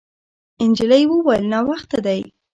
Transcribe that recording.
نجلۍ وویل: «ناوخته دی.»